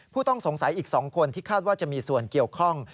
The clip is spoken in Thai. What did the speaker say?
ผู้ต้องสงสัยอีก๒คนที่คาดว่าจะมีส่วนเกี่ยวข้อง